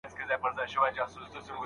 هغه وویل چي دولت د کلیسا یو بازو دی.